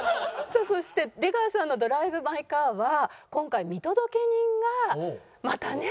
さあそして出川さんのドライブ・マイ・カーは今回見届け人がまたね。